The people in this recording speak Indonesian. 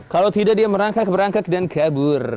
kalau tidak dia merangkak berangkat dan kabur